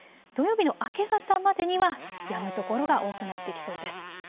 土曜日の明け方までにはやむ所が多くなってきそうです。